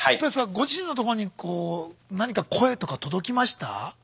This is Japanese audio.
ご自身のとこにこう何か声とか届きました？